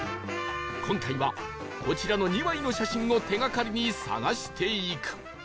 今回はこちらの２枚の写真を手がかりに探していく